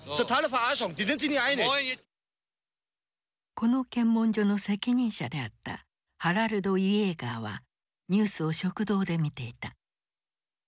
この検問所の責任者であったハラルド・イエーガーはニュースを食堂で見ていた。